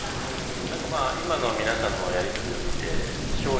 何かまあ今の皆さんのやりとりを見て。